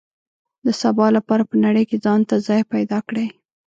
د سبا لپاره په نړۍ کې ځان ته ځای پیدا کړي.